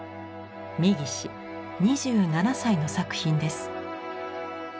三岸２７歳の作品です。